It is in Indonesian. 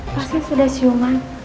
pak pasin sudah siuman